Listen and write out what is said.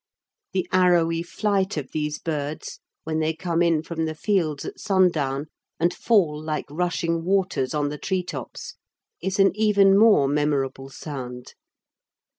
The arrowy flight of these birds when they come in from the fields at sundown and fall like rushing waters on the tree tops is an even more memorable sound.